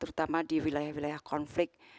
terutama di wilayah wilayah konflik